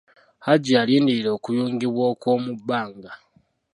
Haji yalindirira okuyungibwa okw'omu bbanga.